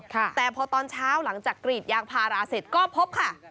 แต่พอตอนเช้าหลังจากกรีดยางพาราเสร็จก็พบค่ะ